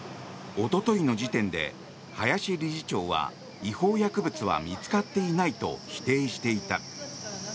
おとといの時点で林理事長は違法薬物は見つかっていないと否定していた。